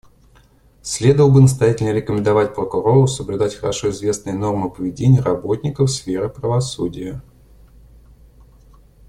Следовало бы настоятельно рекомендовать Прокурору соблюдать хорошо известные нормы поведения работников сферы правосудия.